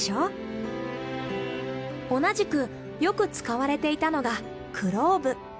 同じくよく使われていたのがクローブ。